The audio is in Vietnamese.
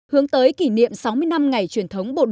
hướng tới kỷ niệm sáu mươi năm ngày truyền thống bộ đội biên tập